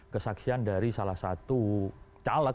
kesaksian dari salah satu taleg dari partai kolega gita